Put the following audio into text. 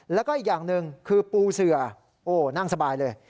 แล้วก็อีกอย่างหนึ่งคือปูเสือโอ้นั่งสบายเลย